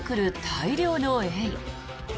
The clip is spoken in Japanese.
大量のエイ。